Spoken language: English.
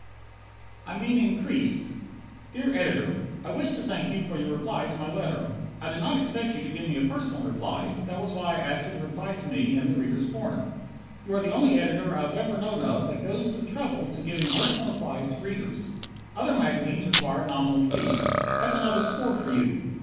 "I Mean Increased" Dear Editor: I wish to thank you for your reply to my letter. I did not expect you to give me a personal reply: that was why I asked you to reply to me in "The Readers' Corner." You are the only editor I have ever known of that goes to the trouble to giving personal replies to readers. Other magazines require a nominal fee. That's another score for you!